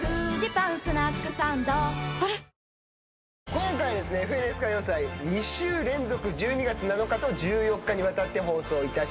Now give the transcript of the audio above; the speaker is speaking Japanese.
今回ですね『ＦＮＳ歌謡祭』２週連続１２月７日と１４日にわたって放送いたします。